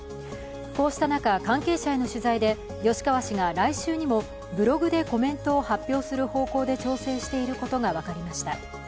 こうした中、関係者への取材で吉川氏が来週にもブログでコメントを発表する方向で調整していることが分かりました。